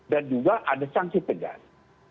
dan juga ada sanksi tegas